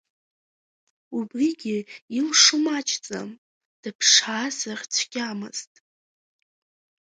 Убрыгьы илшо маҷӡам, дыԥшаазар цәгьамызт…